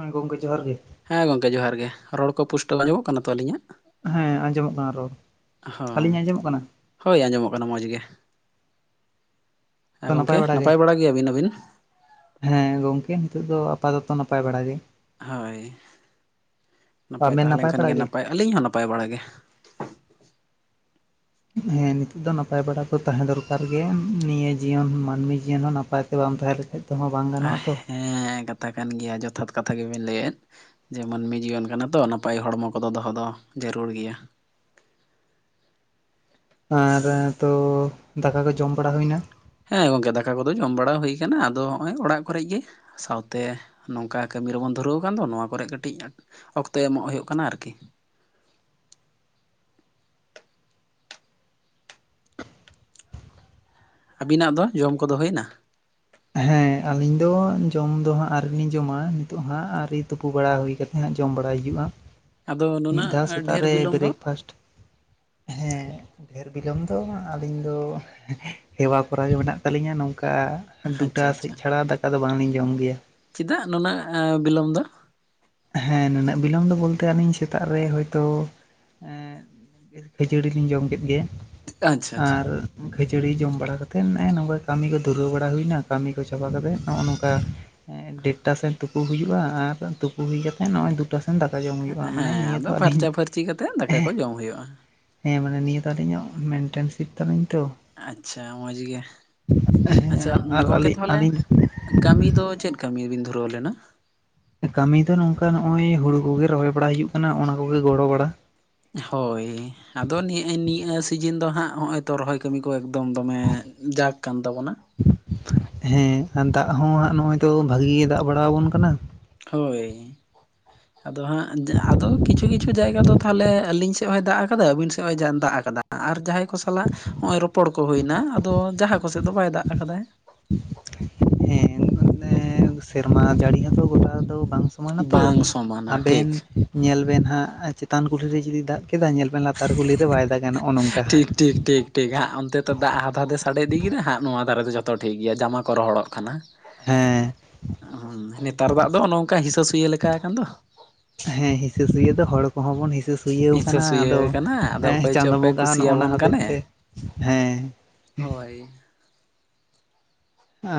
ᱦᱮᱸ ᱜᱚᱝᱠᱮ ᱡᱚᱦᱟᱨ ᱜᱮ᱾ ᱦᱮᱸ ᱜᱚᱝᱠᱮ ᱡᱚᱦᱟᱨ ᱜᱮ᱾ ᱨᱚᱲ ᱠᱚ ᱯᱩᱥᱴᱟᱹᱣ ᱟᱸᱡᱚᱜ ᱠᱟᱱᱟ ᱛᱚ ᱟᱹᱞᱤᱧᱟᱜ? ᱦᱮᱸ ᱟᱸᱡᱚᱢᱚᱜ ᱠᱟᱱᱟ ᱨᱚᱲ, ᱦᱚᱸ ᱟᱹᱞᱤᱧᱟᱜ ᱟᱸᱡᱚᱢᱚᱜ ᱠᱟᱱᱟ? ᱦᱳᱭ ᱟᱸᱡᱚᱢᱚᱜ ᱠᱟᱱᱟ ᱢᱚᱡᱽ ᱜᱮ᱾ ᱦᱮᱸ ᱜᱚᱝᱠᱮ ᱱᱟᱯᱟᱭ ᱵᱟᱲᱟ ᱜᱮᱭᱟᱵᱤᱱ ᱟᱹᱵᱤᱱ? ᱦᱮᱸ ᱜᱚᱝᱠᱮ ᱱᱤᱛᱚᱜ ᱫᱚ ᱟᱯᱟᱛᱚᱛᱚ ᱱᱟᱯᱟᱭ ᱵᱟᱲᱟ ᱜᱮ᱾ ᱦᱳᱭ ᱱᱟᱯᱟᱭ ᱛᱟᱦᱮᱸ ᱞᱮᱱᱠᱷᱟᱱ ᱜᱮ ᱱᱟᱯᱟᱭ ᱟᱹᱞᱤᱧ ᱦᱚᱸ ᱱᱟᱯᱟᱭ ᱵᱟᱲᱟ ᱜᱮ᱾ ᱦᱮᱸ ᱱᱤᱛᱚᱜ ᱫᱚ ᱱᱟᱯᱟᱭ ᱵᱟᱲᱟ ᱠᱚ ᱛᱟᱦᱮᱸ ᱫᱚᱨᱠᱟᱨ ᱜᱮ ᱱᱤᱭᱟᱹ ᱡᱤᱭᱚᱱ ᱢᱟᱹᱱᱢᱤ ᱡᱤᱭᱚᱱ ᱦᱚᱸ ᱱᱟᱯᱟᱭ ᱛᱮ ᱵᱟᱢ ᱛᱟᱦᱮᱸ ᱞᱮᱠᱷᱟᱡ᱾ ᱛᱮᱦᱚᱸ ᱵᱟᱝ ᱜᱟᱱᱚᱜᱼᱟ ᱛᱚ᱾ ᱦᱮᱸ ᱠᱟᱛᱷᱟ ᱠᱟᱱ ᱜᱮᱭᱟ ᱡᱚᱛᱷᱟᱛ ᱠᱟᱛᱷᱟ ᱜᱮᱵᱤᱱ ᱞᱮᱭᱮᱫ᱾ ᱡᱮ ᱢᱟᱹᱱᱢᱤ ᱡᱤᱭᱚᱱ ᱠᱟᱱᱟ ᱛᱚ ᱱᱟᱯᱟᱭ ᱦᱚᱲᱢᱚ ᱠᱚᱫᱚ ᱫᱚᱦᱚ ᱫᱚ, ᱡᱟᱹᱨᱩᱲ ᱜᱮᱭᱟ᱾ ᱟᱨ ᱛᱚ ᱫᱟᱠᱟ ᱠᱚ ᱡᱚᱢ ᱵᱟᱲᱟ ᱦᱩᱭᱱᱟ᱾ ᱦᱮᱸ ᱜᱚᱝᱠᱮ ᱫᱟᱠᱟ ᱠᱚᱫᱚ ᱡᱚᱢ ᱵᱟᱲᱟ ᱦᱩᱭ ᱠᱟᱱᱟ ᱟᱫᱚ ᱦᱚᱸᱜᱼᱚᱭ ᱚᱲᱟᱜ ᱠᱚᱨᱮᱜ ᱜᱮ᱾ ᱥᱟᱶᱛᱮ, ᱱᱚᱝᱠᱟ ᱠᱟᱹᱢᱤ ᱨᱮᱵᱚᱱ ᱫᱷᱩᱨᱟᱹᱣ ᱠᱟᱱ ᱫᱚ ᱱᱚᱣᱟ ᱠᱚᱨᱮᱜ ᱠᱟᱹᱴᱤᱡ ᱚᱠᱛᱚ ᱮᱢᱚᱜ ᱦᱳᱭᱳᱜ ᱠᱟᱱᱟ ᱟᱨᱠᱤ᱾ ᱟᱹᱵᱤᱱᱟᱜ ᱫᱚ ᱡᱚᱢ ᱠᱚᱫᱚ ᱦᱳᱭᱱᱟ? ᱦᱮᱸ ᱟᱹᱞᱤᱧ ᱫᱚ ᱡᱚᱢ ᱫᱚ ᱦᱟᱸᱜ ᱟᱹᱣᱨᱤ ᱞᱤᱧ ᱡᱚᱢᱟ ᱱᱤᱛᱚᱜ ᱦᱟᱸᱜ ᱟᱹᱣᱨᱤ ᱛᱳᱯᱳ ᱵᱟᱲᱟ ᱦᱳᱭ ᱠᱟ ᱦᱟᱸᱜ ᱡᱚᱢ ᱵᱟᱲᱟᱭ ᱦᱩᱭᱩᱜᱼᱟ᱾ ᱟᱫᱚ ᱢᱤᱫ ᱱᱩᱱᱟᱹᱜ ᱫᱷᱟᱣ ᱥᱮᱛᱟᱜ ᱰᱷᱮᱨ ᱨᱮ ᱵᱤᱞᱚᱢ ᱫᱚ ᱵᱨᱮᱠᱯᱷᱟᱥᱴ, ᱦᱮᱸ ᱰᱷᱮᱨ ᱵᱤᱞᱚᱢ ᱫᱚ ᱟᱹᱞᱤᱧᱫᱚ ᱦᱮᱣᱟ ᱠᱚᱨᱟᱜᱮ ᱢᱮᱱᱟᱜ ᱛᱟᱹᱞᱤᱧᱟ ᱱᱚᱝᱠᱟ᱾ ᱟᱪᱪᱷᱟ ᱫᱩᱴᱟ ᱟᱪᱪᱷᱟ ᱥᱮᱡ ᱪᱷᱟᱲᱟ ᱫᱟᱠᱟ ᱫᱚ ᱵᱟᱝᱞᱤᱧ ᱡᱚᱢ ᱜᱮᱭᱟ᱾ ᱪᱮᱫᱟᱜ ᱱᱩᱱᱟᱹᱜ ᱵᱤᱞᱚᱢ ᱫᱚ? ᱦᱮᱸ ᱱᱩᱱᱟᱹᱜ ᱵᱤᱞᱚᱢ ᱫᱚ ᱵᱚᱞᱛᱮ ᱟᱹᱞᱤᱧ ᱥᱮᱛᱟᱜ ᱨᱮ ᱦᱚᱭ ᱛᱚᱼᱼ ᱠᱷᱟᱹᱡᱟᱹᱲᱤ ᱞᱤᱧ ᱡᱚᱢ ᱠᱮᱫ ᱜᱮ, ᱟᱪᱪᱷᱟ ᱟᱪᱪᱷᱟ ᱟᱨᱼᱼ ᱠᱷᱟᱹᱡᱟᱹᱲᱤ ᱡᱚᱢ ᱵᱟᱲᱟ ᱠᱟᱛᱮᱫ ᱱᱚᱜᱼᱚᱭ ᱱᱚᱝᱠᱟ ᱠᱟᱹᱢᱤ ᱠᱚ ᱫᱷᱩᱨᱟᱹᱣ ᱵᱟᱲᱟ ᱦᱩᱭᱱᱟ ᱠᱟᱹᱢᱤ ᱠᱚ ᱪᱟᱵᱟ ᱠᱟᱛᱮᱫ ᱱᱚᱜᱼᱚ ᱱᱚᱝᱠᱟ᱾ ᱰᱮᱴ ᱴᱟ ᱥᱮᱫ ᱛᱩᱯᱩ ᱦᱩᱭᱩᱜᱼᱟ ᱟᱨ ᱛᱩᱯᱩ ᱦᱩᱭ ᱠᱟᱛᱮᱫ ᱱᱚᱜᱼᱚᱭ ᱫᱩᱴᱟᱼᱼ ᱴᱟ ᱥᱮᱱ ᱫᱟᱠᱟ ᱡᱚᱢ ᱦᱩᱭᱩᱜᱼᱟ ᱢᱟᱱᱮ ᱦᱮᱸ ᱱᱤᱭᱟᱹ ᱟᱫᱚ ᱫᱚ ᱟᱹᱞᱤᱧᱼᱼ ᱯᱷᱟᱨᱪᱟ ᱯᱷᱟᱨᱪᱤ ᱠᱟᱛᱮᱜ ᱫᱟᱠᱟ ᱠᱚ ᱡᱚᱢ ᱦᱩᱭᱩᱜᱼᱟ ᱦᱮᱸ ᱢᱟᱱᱮ ᱱᱤᱭᱟᱹ ᱫᱚ ᱟᱹᱞᱤᱧᱟᱜ ᱢᱮᱱᱴᱮᱱ ᱥᱤᱯ ᱛᱟᱹᱞᱤᱧ ᱛᱚ᱾ ᱟᱪᱪᱷᱟ ᱢᱚᱡᱽ ᱜᱮ᱾ ᱦᱮᱸ ᱟᱪᱪᱷᱟ ᱟᱨ ᱜᱚᱢᱠᱮ ᱟᱹᱞᱤᱧ ᱛᱟᱦᱞᱮᱼᱼ ᱟᱹᱞᱤᱧ ᱠᱟᱹᱢᱤ ᱫᱚ ᱪᱮᱫ ᱠᱟᱹᱢᱤ ᱨᱤᱵᱤᱱ ᱫᱷᱩᱨᱟᱹᱣ ᱞᱮᱱᱟ? ᱠᱟᱹᱢᱤ ᱫᱚ ᱱᱚᱝᱠᱟ ᱱᱚᱜᱼᱚᱭ ᱦᱳᱲᱩ ᱠᱚᱜᱮ ᱨᱚᱦᱚᱭ ᱵᱟᱲᱟ ᱦᱩᱭᱩᱜ ᱠᱟᱱᱟ ᱚᱱᱟ ᱠᱚᱜᱮ ᱜᱚᱲᱚ ᱵᱟᱲᱟ᱾ ᱦᱳᱭ ᱟᱫᱚ ᱱᱮᱜᱼ ᱱᱤᱭᱟᱹ ᱥᱤᱡᱤᱱ ᱫᱚ ᱦᱟᱸᱜ ᱦᱚᱜᱼᱚᱭ ᱛᱚ ᱨᱚᱦᱚᱭ ᱠᱟᱹᱢᱤ ᱠᱚ ᱮᱠᱫᱚᱢ ᱫᱚᱢᱮ ᱡᱟᱠᱼᱼ ᱠᱟᱱ ᱛᱟᱵᱚᱱᱟ᱾ ᱦᱮᱸ ᱟᱨ ᱫᱟᱜ ᱦᱚᱸ ᱦᱟᱸᱜ ᱱᱚᱜᱼᱚᱭ ᱛᱚ ᱵᱷᱟᱜᱮ ᱜᱮ ᱫᱟᱜ ᱵᱟᱲᱟ ᱟᱵᱚᱱ ᱠᱟᱱᱟ᱾ ᱦᱳᱭ, ᱟᱫᱚ ᱦᱟᱸᱜ ᱟᱫᱚ ᱠᱤᱪᱷᱩ ᱠᱤᱪᱷᱩ ᱡᱟᱭᱜᱟ ᱫᱚ ᱛᱟᱦᱟᱞᱮ ᱟᱹᱞᱤᱧ ᱥᱮᱫᱼᱼ ᱥᱮᱫ ᱦᱚᱸᱭ ᱫᱟᱜ ᱠᱟᱫᱟ ᱟᱹᱵᱤᱱ ᱥᱮᱫ ᱦᱚᱸᱭ ᱫᱟᱜ ᱠᱟᱫᱟ ᱟᱨ ᱡᱟᱦᱟᱸᱭ ᱠᱚ ᱥᱟᱞᱟᱜ ᱱᱚᱜᱼᱚᱭ ᱨᱚᱯᱚᱲ ᱠᱚ ᱦᱳᱭᱱᱟ ᱟᱫᱚ ᱡᱟᱦᱟᱸ ᱠᱚᱥᱮᱫ ᱫᱚ ᱵᱟᱭ ᱫᱟᱜ ᱠᱟᱫᱟᱭ᱾ ᱦᱮᱸ ᱢᱟᱱᱮ ᱥᱮᱨᱢᱟ ᱡᱟᱹᱲᱤ ᱦᱚᱸᱛᱚ ᱜᱚᱴᱟ ᱫᱚ ᱵᱟᱝ ᱥᱚᱢᱟᱱᱟ ᱛᱚ ᱵᱟᱝ ᱥᱚᱢᱟᱱᱟ ᱟᱵᱮᱱ᱾ ᱴᱷᱤᱠ ᱧᱮᱞ ᱵᱮᱱ ᱦᱟᱸᱜ ᱪᱮᱛᱟᱱ ᱠᱩᱞᱦᱤᱨᱮ ᱡᱩᱫᱤ ᱫᱟᱜ ᱠᱮᱫᱟ ᱧᱮᱞ ᱵᱮᱱ ᱞᱟᱛᱟᱨ ᱠᱩᱞᱦᱤᱨᱮ ᱵᱟᱭ ᱫᱟᱜᱼᱟ ᱱᱚᱜᱼᱚ ᱱᱚᱝᱠᱟ᱾ ᱴᱷᱤᱠ ᱴᱷᱤᱠ ᱴᱷᱤᱠ ᱴᱷᱤᱠ ᱦᱟᱸᱜ ᱚᱱᱛᱮ ᱫᱟᱜ ᱦᱟᱫᱼᱦᱟᱫᱮ ᱥᱟᱰᱮ ᱤᱫᱤ ᱠᱮᱫᱟ ᱦᱟᱸᱜ ᱱᱚᱣᱟ ᱫᱷᱟᱨᱮ ᱫᱚ ᱡᱚᱛᱚ ᱴᱷᱤᱠ ᱜᱮᱭᱟ ᱡᱟᱢᱟ ᱠᱚ ᱨᱚᱦᱚᱲᱚᱜ ᱠᱟᱱᱟ᱾ ᱦᱮᱸ ᱦᱩᱸ ᱱᱮᱛᱟᱨ ᱫᱟᱜ ᱫᱚ ᱚᱱᱚᱝᱠᱟ ᱦᱤᱥᱟᱹ ᱥᱩᱭᱟᱹ ᱞᱮᱠᱟ ᱟᱠᱟᱱ ᱫᱚ᱾ ᱦᱮᱸ ᱦᱤᱥᱟᱹ ᱥᱩᱭᱟᱹ ᱫᱚ ᱦᱚᱲ ᱠᱚᱦᱚ ᱵᱚᱱ ᱦᱤᱥᱟᱹ ᱥᱩᱭᱟᱹᱣ ᱦᱤᱥᱟᱹ ᱠᱟᱱᱟ ᱥᱩᱭᱟᱹ ᱟᱫᱚ ᱠᱟᱱᱟ ᱟᱫᱚ ᱚᱠᱚᱭ ᱪᱚ ᱪᱟᱸᱫᱚ ᱚᱠᱚᱭ ᱵᱚᱸᱜᱟ ᱦᱚᱸ ᱱᱚᱜᱼᱚ ᱱᱟ ᱠᱩᱥᱤᱭᱟᱵᱚᱱ ᱦᱚᱛᱮᱡ ᱠᱟᱱᱮ ᱛᱮ ᱦᱮᱸ᱾ ᱦᱳᱭ᱾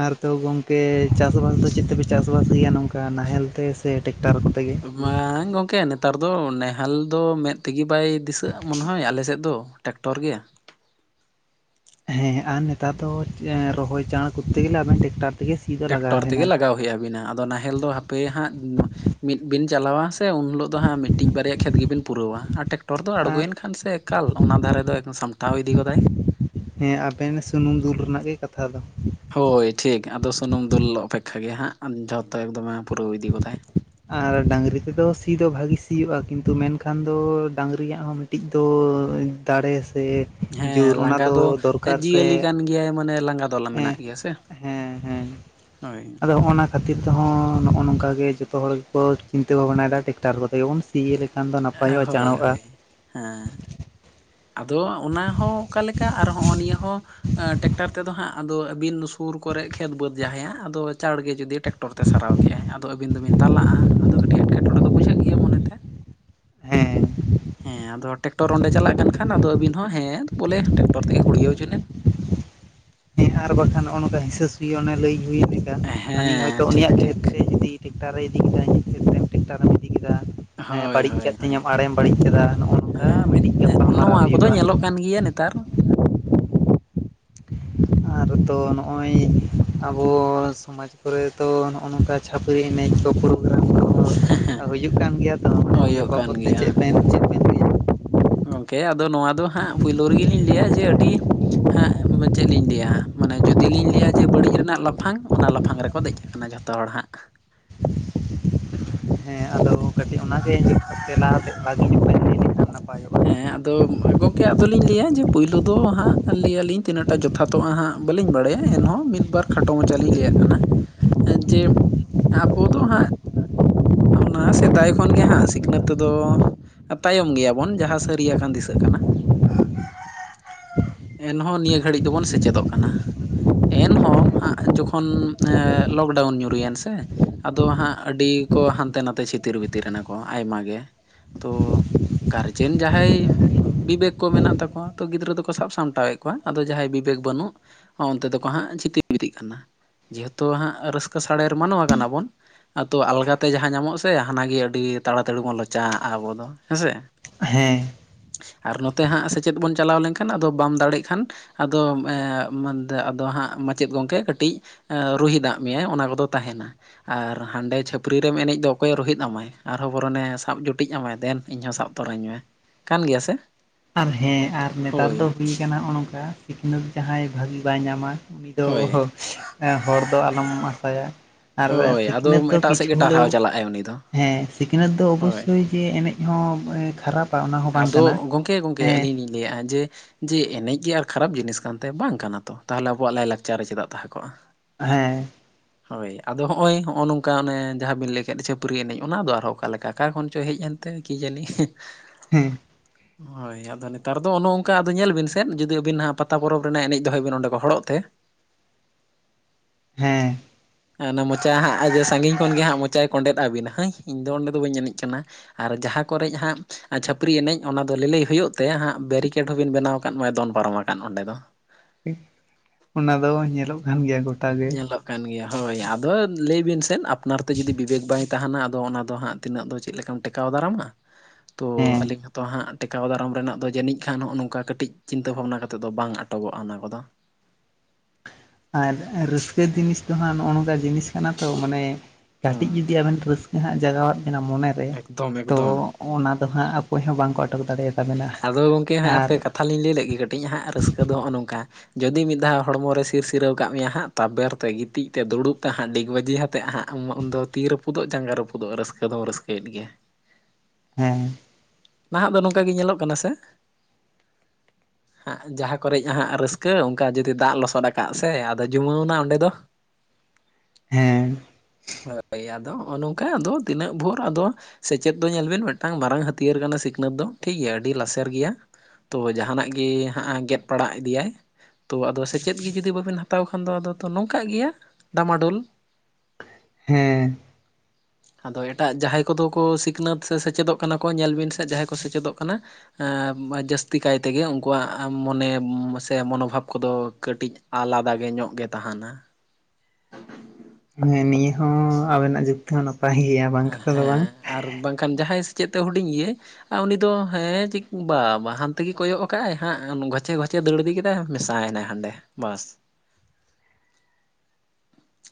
ᱟᱨ ᱛᱚ ᱜᱚᱝᱠᱮ ᱪᱟᱥ-ᱵᱟᱥ ᱫᱚ ᱪᱮᱫ ᱛᱮᱯᱮ ᱪᱟᱥ-ᱵᱟᱥ ᱜᱮᱭᱟ ᱱᱚᱝᱠᱟ ᱱᱟᱦᱮᱞ ᱛᱮ ᱥᱮ ᱴᱮᱠᱴᱟᱨ ᱠᱚᱛᱮ ᱜᱮ? ᱵᱟᱝ ᱜᱚᱝᱠᱮ ᱱᱮᱛᱟᱨ ᱫᱚ ᱱᱮᱦᱟᱞ ᱫᱚ ᱢᱮᱫ ᱛᱮᱜᱮ ᱵᱟᱭ ᱫᱤᱥᱟᱹᱜᱼᱟ ᱢᱚᱱᱮᱦᱚᱭ ᱟᱞᱮ ᱥᱮᱫ ᱫᱚ ᱴᱟᱠᱴᱚᱨ ᱜᱮ᱾ ᱦᱮᱸ ᱟᱨ ᱱᱮᱛᱟᱨ ᱫᱚ ᱨᱚᱦᱚᱭ ᱪᱟᱬ ᱠᱚᱨᱛᱮ ᱜᱮᱞᱮ ᱟᱵᱮᱱ ᱴᱮᱠᱴᱟᱨ ᱛᱮᱜᱮ ᱥᱤ ᱫᱚ ᱞᱟᱜᱟᱣ ᱴᱮᱠᱴᱚᱨ ᱛᱮᱜᱮ ᱵᱮᱱᱟ᱾ ᱞᱟᱜᱟᱣ ᱦᱳᱭ ᱟᱵᱤᱱᱟ, ᱟᱫᱚ ᱱᱟᱦᱮᱞ ᱫᱚ ᱦᱟᱯᱮ ᱦᱟᱸᱜ ᱢᱤᱫ ᱵᱤᱱ ᱪᱟᱞᱟᱣᱟ ᱥᱮ ᱩᱱ ᱩᱱ ᱦᱤᱞᱳᱜ ᱫᱚ ᱦᱟᱸᱜ ᱢᱤᱫᱴᱤᱡ ᱵᱟᱨᱭᱟ ᱠᱷᱮᱛ ᱜᱮᱵᱤᱱ ᱯᱩᱨᱟᱹᱣᱟ ᱟᱨ ᱴᱮᱠᱴᱚᱨ ᱫᱚ ᱟᱨ ᱟᱬᱜᱚᱭᱮᱱ ᱠᱷᱟᱱ ᱥᱮ ᱮᱠᱟᱞ ᱚᱱᱟ ᱫᱷᱟᱨᱮ ᱫᱚ ᱮᱠᱫᱚᱢ ᱥᱟᱢ ᱛᱟᱣ ᱤᱫᱤ ᱜᱚᱫᱟᱭ᱾ ᱦᱮᱸ ᱟᱵᱮᱱ ᱥᱩᱱᱩᱢ ᱫᱩᱞ ᱨᱮᱱᱟᱜ ᱜᱮ ᱠᱟᱛᱷᱟ ᱫᱚ᱾ ᱦᱳᱭ ᱴᱷᱤᱠ ᱟᱫᱚ ᱥᱩᱱᱩᱢ ᱫᱩᱞ ᱚᱯᱮᱠᱷᱟ ᱜᱮ ᱦᱟᱸᱜ ᱡᱷᱚᱛᱚ ᱮᱠᱫᱚᱢᱮ ᱯᱩᱨᱟᱹᱣ ᱤᱫᱤ ᱜᱚᱫᱟᱭ᱾ ᱟᱨ ᱰᱟᱹᱝᱨᱤ ᱛᱮᱫᱚ ᱥᱤ ᱫᱚ ᱵᱷᱟᱹᱜᱤ ᱥᱤᱭᱳᱜᱼᱟ ᱠᱤᱱᱛᱩ ᱢᱮᱱᱠᱷᱟᱱ ᱫᱚ ᱰᱟᱹᱝᱨᱤᱭᱟᱜ ᱦᱚᱸ ᱢᱤᱫ [unintelligible] ᱫᱚ ᱫᱟᱲᱮ ᱥᱮ ᱦᱮᱸ ᱡᱳᱨ ᱚᱱᱟ ᱞᱟᱸᱜᱟ ᱫᱚ ᱫᱚᱨᱠᱟᱨ ᱥᱮ ᱡᱤᱭᱟᱹᱞᱤ ᱠᱟᱱ ᱜᱮᱭᱟᱭ ᱢᱟᱱᱮ ᱞᱟᱸᱜᱟ ᱫᱚ ᱞᱟ ᱢᱮᱱᱟᱜ ᱦᱮᱸ ᱜᱮᱭᱟ ᱥᱮ᱾ ᱦᱮᱸ ᱦᱮᱸ ᱦᱳᱭ᱾ ᱟᱫᱚ ᱦᱚᱸᱜᱼᱱᱟ ᱠᱷᱟᱹᱛᱤᱨ ᱛᱮᱦᱚᱸ ᱱᱚᱜᱼᱚ ᱱᱚᱝᱠᱟ ᱜᱮ ᱡᱚᱛᱚ ᱦᱚᱲ ᱜᱮᱠᱚ ᱪᱤᱱᱛᱟᱹ ᱵᱷᱟᱵᱽᱱᱟᱭ ᱫᱟ ᱴᱮᱠᱴᱟᱨ ᱠᱚᱛᱮ ᱜᱮᱵᱚᱱ ᱥᱤ ᱤᱭᱟᱹ ᱞᱮᱠᱷᱟᱱ ᱫᱚ ᱱᱟᱯᱟᱭᱚᱜᱼᱟ ᱦᱳᱭ ᱪᱟᱬᱚᱜᱼᱟ᱾ ᱦᱳᱭ ᱦᱮᱸ᱾ ᱟᱫᱚ ᱚᱱᱟ ᱦᱚᱸ ᱚᱠᱟ ᱞᱮᱠᱟ ᱟᱨ ᱦᱚᱸᱜᱼᱚ ᱱᱤᱭᱟᱹ ᱦᱚᱸ ᱴᱮᱠᱴᱟᱨ ᱛᱮᱫᱚ ᱦᱟᱸᱜ ᱟᱫᱚ ᱟᱹᱵᱤᱱ ᱥᱩᱨ ᱠᱚᱨᱮᱜ ᱠᱷᱮᱛ ᱵᱟᱹᱫᱽ ᱡᱟᱦᱟᱸᱭᱟᱜ ᱟᱫᱚ ᱪᱟᱬᱜᱮ ᱡᱩᱫᱤ ᱴᱮᱠᱴᱟᱨ ᱴᱚᱨ ᱛᱮ ᱥᱟᱨᱟᱣ ᱠᱮᱜᱼᱟᱭ, ᱟᱫᱚ ᱟᱹᱵᱤᱱ ᱫᱚᱵᱤᱱ ᱛᱟᱞᱟᱜᱼᱟ ᱟᱫᱚ ᱠᱟᱹᱴᱤᱡ ᱮᱸᱴᱠᱮ ᱴᱚᱬᱮ ᱫᱚ ᱵᱩᱡᱷᱟᱹᱜ ᱜᱮᱭᱟ ᱢᱚᱱᱮ ᱛᱮ᱾ ᱦᱮᱸ ᱦᱮᱸ ᱟᱫᱚ ᱴᱮᱠᱴᱚᱨ ᱚᱸᱰᱮ ᱪᱟᱞᱟᱜ ᱢᱮᱱᱠᱷᱟᱱ ᱟᱫᱚ ᱟᱹᱵᱤᱱ ᱦᱚᱸ ᱦᱮᱸ ᱵᱚᱞᱮ ᱴᱮᱠᱴᱚᱨ ᱛᱮᱜᱮ ᱜᱩᱲᱭᱟᱹᱣ ᱦᱚᱪᱚ ᱞᱮᱢ᱾ ᱦᱮᱸ ᱟᱨ ᱵᱟᱠᱷᱟᱱ ᱱᱚᱜᱼᱚ ᱱᱚᱝᱠᱟ ᱦᱤᱥᱟᱹ ᱥᱩᱭᱟᱹ ᱚᱱᱮ ᱞᱟᱹᱭ ᱦᱩᱭ ᱞᱮᱠᱟ, ᱦᱟᱹᱱᱤ ᱦᱮᱸ ᱦᱚᱭᱛᱚ ᱴᱷᱤᱠ ᱩᱱᱤᱭᱟᱜ ᱴᱷᱤᱠ ᱠᱷᱮᱛ ᱛᱮ ᱤᱫᱤ ᱴᱮᱠᱴᱟᱨ ᱨᱮ ᱤᱫᱤ ᱠᱮᱫᱟ [unintelligible] ᱴᱮᱠᱴᱟᱨᱮᱢ ᱤᱫᱤ ᱠᱮᱫᱟ᱾ ᱦᱳᱭ ᱵᱟᱹᱲᱤᱡ ᱦᱳᱭ ᱠᱟᱜ ᱦᱳᱭ ᱛᱤᱧᱟᱹᱢ ᱟᱲᱮᱢ ᱵᱟᱹᱲᱤᱡ ᱠᱮᱫᱟ, ᱱᱚᱜᱼ ᱱᱚᱝᱠᱟ ᱦᱮᱸ ᱱᱤᱛ ᱢᱤᱫᱴᱤᱡ ᱜᱟᱯᱟᱞ ᱢᱟᱨᱟᱣ ᱱᱚᱣᱟ ᱠᱚᱫᱚ ᱦᱩᱭᱩᱜᱼᱟ᱾ ᱧᱮᱞᱚᱜ ᱠᱟᱱ ᱜᱮᱭᱟ ᱱᱮᱛᱟᱨ ᱟᱨ ᱛᱚ ᱱᱚᱜᱼᱚᱭ ᱟᱵᱚ ᱥᱚᱢᱟᱡᱽ ᱠᱚᱨᱮᱛᱚ ᱱᱚᱜᱼᱚ ᱱᱚᱝᱠᱟ ᱪᱷᱟᱹᱯᱟᱹᱨᱤ ᱮᱱᱮᱡ ᱠᱚ ᱯᱨᱳᱜᱨᱟᱢ ᱠᱚ ᱦᱩᱭᱩᱜ ᱠᱟᱱ ᱜᱮᱭᱟ ᱛᱚ ᱱᱤᱭᱟᱹ ᱦᱩᱭᱩᱜ ᱠᱟᱱ ᱵᱟᱵᱚᱫ ᱛᱮ ᱪᱮᱜ ᱵᱮᱱ ᱵᱮᱱ ᱞᱟᱹᱭᱟ ᱜᱚᱢᱠᱮ ᱟᱫᱚ ᱱᱚᱣᱟ ᱫᱚ ᱦᱟᱸᱜ ᱯᱳᱭᱞᱳ ᱨᱮᱜᱮ ᱞᱤᱧ ᱞᱟᱹᱭᱟ ᱡᱮ ᱟᱹᱰᱤ ᱦᱮᱸ ᱪᱮᱫ ᱞᱤᱧ ᱞᱟᱹᱭᱟ ᱢᱟᱱᱮ ᱡᱩᱫᱤ ᱞᱤᱧ ᱞᱟᱹᱭᱟ ᱡᱮ ᱵᱟᱹᱲᱤᱡ ᱨᱮᱱᱟᱜ ᱞᱟᱯᱷᱟᱝ ᱚᱱᱟ ᱞᱟᱯᱷᱟᱝ ᱨᱮᱠᱚ ᱫᱮᱡ ᱚᱱᱟ ᱡᱷᱚᱛᱚ ᱦᱚᱲ ᱦᱟᱸᱜ ᱦᱮᱸ ᱟᱫᱚ ᱚᱱᱟᱜᱮ ᱡᱚᱛᱷᱟᱛ ᱛᱮᱞᱟ ᱟᱛᱮᱫ ᱵᱷᱟᱜᱤ ᱧᱚᱜ ᱵᱟᱸᱧ ᱞᱟᱹᱭ ᱞᱮᱠᱷᱟᱱ ᱚᱱᱟ ᱦᱮᱸ ᱟᱫᱚ ᱜᱚᱝᱠᱮ ᱫᱚᱞᱤᱧ ᱞᱟᱹᱭᱟ ᱡᱮ ᱯᱩᱭᱞᱳ ᱫᱚ ᱦᱟᱸᱜ ᱞᱟᱹᱭ ᱟᱞᱤᱧ ᱛᱤᱱᱟᱹᱜ ᱴᱟᱜ ᱡᱚᱛᱷᱟᱛᱚᱜᱼᱟ ᱦᱟᱸᱜ ᱵᱟᱹᱞᱤᱧ ᱵᱟᱲᱟᱭᱟ, ᱮᱱᱦᱚᱸ ᱢᱤᱫ ᱵᱟᱨ ᱠᱷᱟᱴᱚ ᱢᱟᱪᱷᱟ ᱞᱤᱧ ᱞᱟᱹᱭᱟᱜ ᱠᱟᱱᱟ ᱡᱮ ᱟᱵᱚ ᱫᱚ ᱦᱟᱸᱜ ᱚᱱᱟ ᱥᱮᱫᱟᱭ ᱠᱷᱚᱱ ᱜᱮ ᱦᱟᱸᱜ ᱥᱤᱠᱷᱱᱟᱹᱛ ᱛᱮᱫᱚ ᱛᱟᱭᱚᱢ ᱜᱮᱭᱟᱵᱚᱱ ᱡᱟᱦᱟᱸ ᱥᱟᱹᱨᱤᱭᱟᱠᱟᱱ ᱫᱤᱥᱟᱹᱜ ᱠᱟᱱᱟ᱾ ᱮᱱᱦᱚᱸ ᱱᱤᱭᱟᱹ ᱜᱷᱟᱹᱲᱤᱡ ᱫᱚᱵᱚᱱ ᱥᱮᱪᱮᱫᱚᱜ ᱠᱟᱱᱟ᱾ ᱮᱱᱦᱚᱸ ᱦᱟᱸᱜ ᱡᱚᱠᱷᱚᱱ ᱞᱚᱠᱰᱟᱣᱩᱱ ᱧᱩᱨᱩᱭᱮᱱ ᱥᱮ ᱟᱫᱚ ᱦᱟᱸᱜ ᱟᱹᱰᱤ ᱠᱚ ᱦᱟᱱᱛᱮ ᱱᱟᱛᱮ ᱪᱷᱤᱛᱤᱨ ᱵᱷᱤᱛᱤᱨ ᱮᱱᱟᱠᱚ ᱟᱭᱢᱟ ᱜᱮ, ᱛᱚ ᱜᱟᱨᱡᱮᱱ ᱡᱟᱦᱟᱭ ᱵᱤᱵᱮᱠ ᱠᱚ ᱢᱮᱱᱟᱜ ᱛᱟᱠᱚᱣᱟ, ᱛᱚ ᱜᱤᱫᱽᱨᱟᱹ ᱫᱚᱠᱚ ᱥᱟᱵ ᱥᱟᱢᱴᱟᱣᱮᱫ ᱠᱚᱣᱟ ᱟᱫᱚ ᱡᱟᱦᱟᱸᱭ ᱵᱤᱵᱮᱠ ᱵᱟᱹᱱᱩᱜ ᱚᱱᱛᱮ ᱫᱚᱠᱚ ᱦᱟᱸᱜ ᱪᱷᱤᱛᱤ ᱵᱤᱛᱤᱜ ᱠᱟᱱᱟ᱾ ᱡᱮᱦᱚᱛᱚ ᱦᱟᱸᱜ ᱨᱟᱹᱥᱠᱟᱹ ᱥᱟᱲᱮᱨ ᱢᱟᱱᱣᱟ ᱠᱟᱱᱟ ᱵᱚᱱ ᱟᱫᱚ ᱟᱞᱜᱟ ᱛᱮ ᱡᱟᱦᱟᱸ ᱧᱟᱢᱚᱜ ᱥᱮ ᱦᱟᱱᱟ ᱜᱮ ᱟᱹᱰᱤ ᱛᱟᱲᱟ ᱛᱟᱹᱲᱤ ᱵᱚᱱ ᱞᱚᱪᱟᱜᱟᱜᱼᱟ᱾ ᱟᱵᱚ ᱫᱚ ᱦᱮᱸ ᱥᱮ ᱦᱮᱸ᱾ ᱟᱨ ᱱᱚᱛᱮ ᱦᱟᱸᱜ ᱥᱮᱪᱮᱫ ᱵᱚᱱ ᱪᱟᱞᱟᱣ ᱞᱮᱱᱠᱷᱟᱱ ᱟᱫᱚ ᱵᱟᱢ ᱫᱟᱲᱮᱜ ᱠᱷᱟᱱ ᱟᱫᱚ ᱮᱸ ᱟᱫᱚ ᱦᱟᱸᱜ ᱢᱟᱪᱮᱫ ᱜᱚᱢᱠᱮ ᱠᱟᱹᱴᱤᱡ ᱮᱸ ᱨᱩᱦᱤᱫᱟᱜ ᱢᱮᱭᱟᱭ ᱚᱱᱟ ᱠᱚᱫᱚ ᱛᱟᱦᱮᱱᱟ ᱟᱨ ᱦᱟᱸᱰᱮ ᱪᱷᱟᱹᱯ ᱯᱟᱨᱤ ᱨᱮᱢ ᱮᱱᱮᱡ ᱫᱚ ᱚᱠᱚᱭᱮ ᱨᱳᱦᱤᱛ ᱟᱢᱟᱭ ᱟᱨᱦᱚᱸ ᱵᱚᱨᱚᱱᱮ ᱥᱟᱵ ᱡᱩᱴᱤᱡ ᱟᱢᱟᱭ ᱫᱮᱱ ᱤᱧᱦᱚᱸ ᱥᱟᱵ ᱛᱚᱨᱟᱧ ᱢᱮ᱾ ᱠᱟᱱ ᱜᱮᱭᱟ ᱥᱮ᱾ ᱟᱨ ᱦᱮᱸ ᱟᱨ ᱱᱮᱛᱟᱨ ᱦᱳᱭ ᱫᱚ ᱦᱩᱭ ᱠᱟᱱᱟ ᱦᱚᱜ ᱱᱚᱝᱠᱟ ᱥᱤᱠᱷᱱᱟᱹᱛ ᱡᱟᱦᱟᱸᱭ ᱵᱷᱟᱜᱤ ᱵᱟᱭ ᱧᱟᱢᱟ ᱩᱱᱤ ᱫᱚ ᱦᱳᱭ ᱦᱚᱲ ᱫᱚ ᱟᱞᱚᱢ ᱟᱥᱟᱭᱟ ᱟᱨ ᱦᱳᱭ ᱟᱫᱚ ᱥᱤᱠᱷᱱᱟᱹᱛ ᱫᱚ ᱮᱴᱟᱜ ᱥᱮᱫ ᱠᱤᱪᱷᱩ ᱜᱮ ᱦᱳᱞᱮᱭᱳ ᱴᱟᱨᱦᱟᱣ ᱪᱟᱞᱟᱜᱼᱟᱭ ᱩᱱᱤ ᱫᱚ ᱦᱮᱸ ᱥᱤᱠᱷᱱᱟᱹᱛ ᱫᱚ ᱦᱳᱭ ᱚᱵᱚᱥᱚᱭ ᱡᱮ ᱮᱱᱮᱡ ᱦᱚᱸ ᱠᱷᱟᱨᱟᱯᱟ ᱚᱱᱟ ᱦᱚᱸ ᱵᱟᱝ ᱠᱟᱱᱟ᱾ [unintelligible] ᱜᱚᱝᱠᱮ ᱦᱮᱸ ᱟᱞᱤᱧ ᱞᱤᱧ ᱞᱟᱹᱭᱟᱜᱼᱟ᱾ ᱡᱮ ᱡᱮ ᱮᱱᱮᱡ ᱜᱮ ᱟᱨ ᱠᱷᱟᱨᱟᱯ ᱡᱤᱱᱤᱥ ᱠᱟᱱ ᱛᱮ ᱵᱟᱝ ᱠᱟᱱᱟ ᱛᱚ᱾ ᱛᱟᱦᱚᱞᱮ ᱟᱵᱚᱣᱟᱜ ᱞᱟᱭᱼᱞᱟᱠᱪᱟᱨ ᱨᱮ ᱪᱮᱫᱟᱜ ᱛᱟᱦᱮᱸ ᱠᱚᱜᱼᱟ᱾ ᱦᱮᱸ᱾ [inaudible] ᱦᱳᱭ ᱟᱫᱚ ᱦᱚᱜᱼᱚᱭ ᱦᱚᱜᱼᱚ ᱱᱚᱝᱠᱟ ᱚᱱᱮ ᱡᱟᱦᱟᱸ ᱵᱤᱱ ᱞᱟᱹᱭ ᱠᱮᱫ ᱪᱷᱟᱹᱯᱟᱹᱨᱤ ᱮᱱᱮᱡ ᱚᱱᱟ ᱫᱚ ᱟᱨᱦᱚᱸ ᱚᱠᱟ ᱞᱮᱠᱟ ᱚᱠᱟ ᱠᱷᱚᱱ ᱪᱚ ᱦᱮᱡ ᱮᱱ᱾ ᱛᱮ ᱠᱤ ᱡᱟᱹᱱᱤ᱾ ᱦᱮᱸ᱾ ᱦᱳᱭ ᱟᱫᱚ ᱱᱮᱛᱟᱨ ᱫᱚ ᱚᱱᱚ ᱚᱝᱠᱟ ᱟᱫᱚ ᱧᱮᱞ ᱵᱤᱱ ᱥᱮ ᱡᱩᱫᱤ ᱟᱹᱵᱤᱱ ᱦᱟᱸᱜ ᱯᱟᱛᱟ ᱯᱚᱨᱚᱵᱽ ᱨᱮᱱᱟᱜ ᱮᱱᱮᱡ ᱫᱚᱦᱚᱭ ᱵᱤᱱ ᱚᱸᱰᱮ ᱠᱚ ᱦᱚᱲᱚᱜ ᱛᱮ ᱦᱮᱸ᱾ ᱚᱱᱟ ᱢᱚᱪᱟ ᱦᱟᱸᱜ ᱥᱟᱺᱜᱤᱧ ᱠᱷᱚᱱ ᱜᱮ ᱦᱟᱸᱜ ᱢᱚᱪᱟᱭ ᱠᱚᱸᱰᱮᱛ ᱟᱹᱵᱤᱱᱟ ᱦᱮᱸ ᱤᱧᱫᱚ ᱚᱸᱰᱮ ᱫᱚ ᱵᱟᱹᱧ ᱮᱱᱮᱡ ᱠᱟᱱᱟ᱾ ᱟᱨ ᱡᱟᱦᱟᱸ ᱠᱚᱨᱮᱜ ᱦᱟᱸᱜ ᱟᱨ ᱪᱷᱟᱹᱯᱨᱤ ᱮᱱᱮᱡ ᱚᱱᱟ ᱫᱚ ᱞᱟᱹᱞᱟᱹᱭ ᱦᱩᱭᱩᱜ ᱛᱮ ᱦᱟᱸᱜ ᱵᱮᱨᱤᱠᱮᱰ ᱦᱚᱸᱵᱤᱱ ᱵᱮᱱᱟᱣ ᱣᱟᱠᱟᱱ ᱢᱟ ᱫᱚᱱ ᱯᱟᱨᱚᱢ ᱠᱟᱱ ᱚᱸᱰᱮ ᱫᱚ᱾ ᱚᱱᱟ ᱫᱚ ᱧᱮᱞᱚᱜ ᱠᱟᱱ ᱜᱮᱭᱟ ᱜᱚ ᱧᱮᱞᱚᱜ ᱠᱟᱱ ᱜᱮᱭᱟ, ᱦᱳᱭ ᱟᱫᱚ ᱞᱟᱹᱭ ᱵᱤᱱ ᱥᱮᱱ ᱟᱯᱱᱟᱨ ᱛᱮ ᱡᱩᱫᱤ ᱵᱤᱵᱮᱠ ᱵᱟᱭ ᱛᱟᱦᱮᱱᱟ ᱟᱫᱚ ᱚᱱᱟ ᱫᱚ ᱦᱟᱜ ᱛᱤᱱᱟᱹᱜ ᱫᱚ ᱪᱮᱜ ᱞᱮᱠᱟᱢ ᱴᱮᱠᱟᱣ ᱫᱟᱨᱟᱢᱟ ᱛᱳ ᱦᱮᱸ ᱟᱹᱞᱤᱧ ᱛᱚ ᱦᱟᱸᱜ ᱴᱮᱠᱟᱣ ᱫᱟᱨᱟᱢ ᱨᱮᱱᱟᱜ ᱫᱚ ᱡᱟᱹᱱᱤᱡ ᱠᱷᱟᱱ ᱦᱚᱜᱼᱚ ᱱᱚᱝᱠᱟ ᱠᱟᱹᱴᱤᱡ ᱪᱤᱱᱛᱟᱹ ᱵᱷᱟᱵᱽᱱᱟ ᱠᱟᱛᱮᱜ ᱫᱚ ᱵᱟᱝ ᱟᱴᱚᱠᱚᱜᱼᱟ᱾ ᱚᱱᱟ ᱠᱚᱫᱚ ᱟᱨ ᱨᱟᱹᱥᱠᱟᱹ ᱡᱤᱱᱤᱥ ᱫᱚ ᱦᱟᱸᱜ ᱱᱚᱜᱼᱚ ᱱᱚᱝᱠᱟ ᱡᱤᱱᱤᱥ ᱠᱟᱱᱟ ᱛᱚ ᱢᱟᱱᱮ ᱠᱟᱹᱴᱤᱡ ᱦᱩᱸ ᱡᱩᱫᱤ ᱟᱵᱮᱱ ᱨᱟᱹᱥ ᱡᱟᱦᱟᱸᱜ ᱡᱟᱜᱟᱣᱟᱜ ᱵᱤᱱᱟ ᱢᱚᱱᱮ ᱨᱮ ᱮᱠᱫᱚᱢ ᱛᱚ ᱮᱠᱫᱚᱢ ᱚᱱᱟ ᱫᱚ ᱦᱟᱸᱜ ᱚᱠᱚᱭ ᱦᱚᱸ ᱵᱟᱝᱠᱚ ᱟᱴᱚᱠ ᱫᱟᱲᱮᱭᱟᱜ ᱟᱫᱚ ᱜᱚᱝᱠᱮ ᱦᱟᱸᱜ ᱟᱯᱮ ᱠᱟᱛᱷᱟ ᱞᱤᱧ ᱞᱟᱹᱭ ᱞᱟᱜᱤᱜ ᱠᱟᱹᱴᱤᱡ ᱦᱟᱸᱜ ᱨᱟᱹᱥᱠᱟᱹ ᱫᱚ ᱦᱚᱜᱼᱚ ᱱᱚᱝᱠᱟ ᱡᱩᱫᱤ ᱢᱤᱫ ᱫᱷᱟᱣ ᱦᱚᱲᱢᱚ ᱨᱮ ᱥᱤᱨ ᱥᱤᱨᱟᱹᱣ ᱠᱟᱜ ᱢᱮᱭᱟ ᱦᱟᱸᱜ ᱛᱟᱵᱮᱨ ᱛᱮ ᱜᱤᱛᱤᱡ ᱛᱮ ᱫᱩᱲᱩᱵ ᱛᱮ ᱦᱟᱸᱜ ᱰᱤᱜ ᱵᱟᱹᱡᱤ ᱠᱟᱛᱮᱫ ᱦᱟᱸᱜ ᱩᱱᱫᱚ ᱛᱤ ᱨᱟᱹᱯᱩᱫᱚᱜ ᱡᱟᱸᱜᱟ ᱨᱟᱹᱯᱩᱫᱚᱜ ᱨᱟᱹᱥᱠᱟᱹ ᱫᱚᱢ ᱨᱟᱹᱥᱠᱟ ᱭᱮᱫ ᱜᱮᱭᱟ᱾ ᱦᱮ᱾ᱸ ᱱᱟᱦᱟᱜ ᱫᱚ ᱱᱚᱝᱠᱟ ᱜᱤ ᱧᱮᱞᱚᱜ ᱠᱟᱱᱟ ᱥᱮ᱾ ᱦᱟᱸᱜ ᱡᱟᱦᱟᱸ ᱠᱚᱨᱮᱡ ᱦᱟᱸᱜ ᱨᱟᱹᱥᱠᱟᱹ ᱚᱝᱠᱟ ᱡᱩᱫᱤ ᱫᱟᱜ ᱞᱚᱥᱚᱫ ᱟᱠᱟᱜ ᱥᱮ ᱟᱫᱚ ᱡᱩᱢᱟᱹᱱᱣ ᱱᱟ ᱚᱸᱰᱮ ᱫᱚ᱾ ᱦᱮᱸ ᱦᱳᱭ ᱟᱫᱚ ᱦᱚᱜᱚ ᱱᱚᱝᱠᱟ ᱟᱫᱚ ᱛᱤᱱᱟᱹᱜ ᱵᱷᱳᱨ ᱟᱫᱚ ᱥᱮᱪᱮᱫ ᱫᱚ ᱧᱮᱞ ᱵᱤᱱ ᱢᱤᱫᱴᱟᱝ ᱢᱟᱨᱟᱝ ᱦᱟᱹᱛ ᱦᱟᱹᱛᱭᱟᱹᱨ ᱠᱟᱱᱟ᱾ ᱥᱤᱠᱷᱱᱟᱹᱛ ᱫᱚ ᱴᱷᱤᱠ ᱜᱮᱭᱟ ᱟᱹᱰᱤ ᱞᱟᱥᱮᱨ ᱜᱮᱭᱟ ᱛᱚᱵᱮ ᱡᱟᱦᱟᱱᱟᱜ ᱜᱤ ᱦᱟᱸᱜ ᱜᱮᱯ ᱯᱟᱲᱟᱜ ᱤᱫᱤᱭᱟᱭ᱾ ᱛᱚ ᱟᱫᱚ ᱥᱮᱪᱮᱫ ᱜᱮ ᱡᱩᱫᱤ ᱵᱟᱹᱵᱤᱱ ᱦᱟᱛᱟᱣ ᱠᱷᱟᱱ ᱫᱚ ᱟᱫᱚ ᱛᱚ ᱱᱚᱝᱠᱟᱜ ᱜᱤᱭᱟ ᱰᱟᱢᱟᱰᱳᱞ᱾ [inaudible] ᱦᱮᱸ ᱾ ᱟᱫᱚ ᱮᱴᱟᱜ ᱡᱟᱦᱟᱸᱭ ᱠᱚᱫᱚ ᱠᱚ ᱥᱤᱠᱷᱱᱟᱹᱛ ᱥᱮ ᱥᱮᱪᱮᱫᱚᱜ ᱠᱟᱱᱟ ᱠᱚ ᱧᱮᱞ ᱵᱤᱱ ᱥᱮᱫ ᱡᱟᱦᱟᱸᱭ ᱠᱚ ᱥᱮᱪᱮᱫᱚᱜ ᱠᱟᱱᱟ ᱾ ᱮᱸᱻ ᱡᱟᱹᱥᱛᱤ ᱠᱟᱭ ᱛᱮᱜᱮ ᱩᱱᱠᱩᱣᱟᱜ ᱢᱚᱱᱮ ᱥᱮ ᱢᱚᱱᱳᱵᱷᱟᱵᱽ ᱠᱚᱫᱚ ᱠᱟᱹᱴᱤᱡ ᱟᱞᱟᱫᱟ ᱜᱮ ᱧᱚᱜ ᱜᱮ ᱛᱟᱦᱮᱱᱟ ᱾ [unintelligible] ᱢᱟᱱᱮ ᱱᱤᱭᱟᱹ ᱦᱚᱸ ᱟᱵᱮᱱᱟᱜ ᱡᱩᱠᱛᱤ ᱦᱚᱸ ᱱᱟᱯᱟᱭ ᱜᱮᱭᱟ ᱾ ᱦᱮᱸ ᱟᱨ ᱵᱟᱝᱠᱷᱟᱱ ᱡᱟᱦᱟᱸᱭ ᱥᱮᱪᱮᱫ ᱛᱮ ᱦᱩᱰᱤᱧ ᱜᱤᱭᱟᱹ ᱟᱨ ᱩᱱᱤ ᱫᱚ ᱦᱮᱸ ᱪᱤᱠ ᱵᱟ ᱵᱟᱦ ᱦᱟᱱᱛᱮ ᱜᱤ ᱠᱚᱭᱚᱜ ᱠᱟᱜᱼ ᱟᱭ ᱦᱟᱸᱜ ᱜᱷᱚᱪᱮ ᱜᱷᱚᱪᱮ ᱫᱟᱹᱲ ᱤᱫᱤ ᱛᱮᱦ ᱢᱮᱥᱟᱭᱮᱱᱟᱭ ᱦᱟᱸᱰᱮ ᱵᱟᱥ ᱾